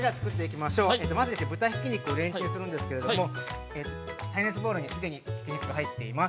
まず豚ひき肉をレンチンするんですけれども、耐熱ボウルにひき肉が入っています。